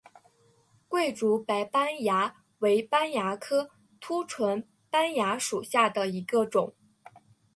桂竹白斑蚜为斑蚜科凸唇斑蚜属下的一个种。